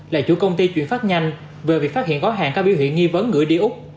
là chủ công ty chuyển phát nhanh về việc phát hiện gói hàng có biểu hiện nghi vấn gửi đi úc